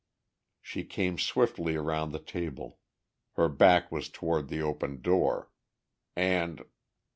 She came swiftly around the table. Her back was toward the open door. And....